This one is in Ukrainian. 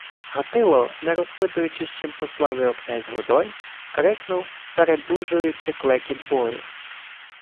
Гатило, не розпитуючи, з чим послав його князь Годой, крикнув, передужуючи клекіт бою: